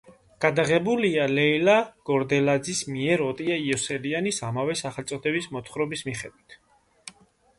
გადაღებულია ლეილა გორდელაძის მიერ ოტია იოსელიანის ამავე სახელწოდების მოთხრობის მიხედვით.